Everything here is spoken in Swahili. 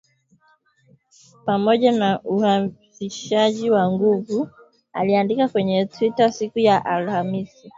pamoja na uhamasishaji wa nguvu aliandika kwenye Twitter siku ya Alhamis